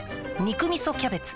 「肉みそキャベツ」